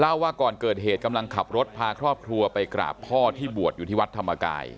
ว่าก่อนเกิดเหตุกำลังขับรถพาครอบครัวไปกราบพ่อที่บวชอยู่ที่วัดธรรมกาย